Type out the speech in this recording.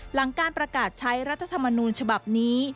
หลังการประกาศใช้รัฐธรรมนูญฉบับนี้